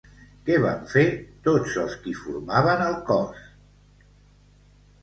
Què van fer tots els qui formaven el cos?